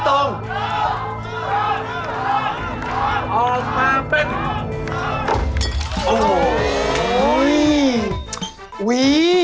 โอ้โฮ